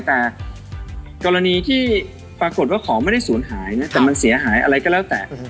แต่กรณีที่ปรากฏว่าของไม่ได้ศูนย์หายนะแต่มันเสียหายอะไรก็แล้วแต่